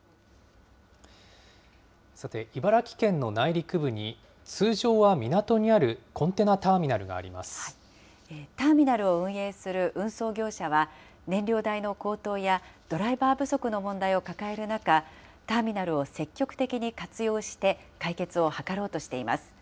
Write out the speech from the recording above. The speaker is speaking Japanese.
さて、茨城県の内陸部に通常は港にあるコンテナターミナルがターミナルを運営する運送業者は、燃料代の高騰や、ドライバー不足の問題を抱える中、ターミナルを積極的に活用して、解決を図ろうとしています。